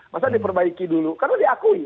masa diperbaiki dulu karena diakui